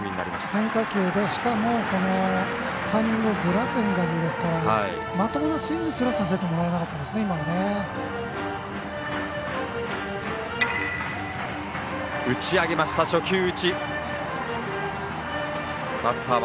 変化球でしかもタイミングをずらす変化球なのでまともなスイングすらさせてもらえなかったですね。